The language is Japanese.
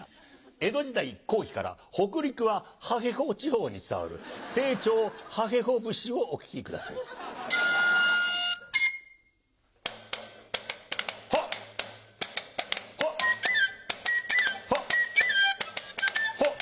江戸時代後期から北陸ははへほ地方に伝わる正調はへほ節をお聴きください。はっ。はっ。はっ。ほっ。